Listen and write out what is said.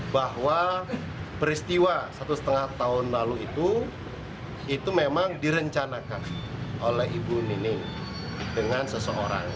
bahwa peristiwa satu lima tahun lalu itu itu memang direncanakan oleh ibu nining dengan seseorang